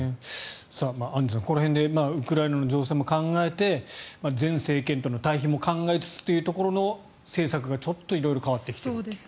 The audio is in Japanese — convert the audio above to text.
アンジュさん、この辺でウクライナ情勢も考えて前政権との対比を考えつつというところの政策がちょっと色々変わってきている。